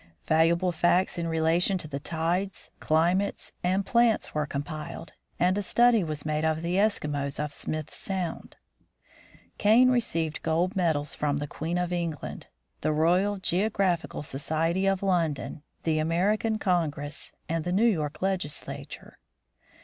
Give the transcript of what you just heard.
Valuable facts in rela 58 THE FROZEN NORTH tion to the tides, climates, and plants were compiled, and a study was made of the Eskimos of Smith sound. Kane received gold medals from the Queen of England, the Royal Geographical Society of London, the American Congress, and the New York Legislature.